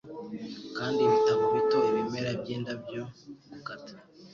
Kandi ibitabo bito; ibimera by'indabyo, gukata